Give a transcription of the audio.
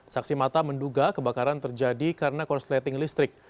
saksi mata menduga kebakaran terjadi karena korsleting listrik